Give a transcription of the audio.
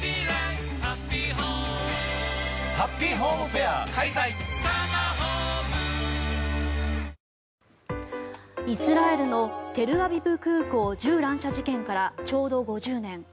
ちなみにこの佐渡ですがイスラエルのテルアビブ空港銃乱射事件からちょうど５０年。